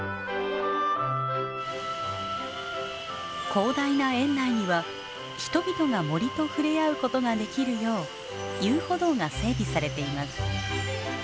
広大な園内には人々が森と触れ合うことができるよう遊歩道が整備されています。